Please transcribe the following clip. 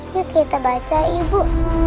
yuk kita baca ibu